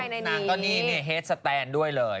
นางก็นี่เนี่ยเฮสแตนด์ด้วยเลย